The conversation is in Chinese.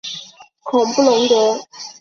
孔布龙德。